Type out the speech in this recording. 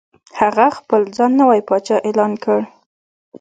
هغه خپل ځان نوی پاچا اعلان کړ.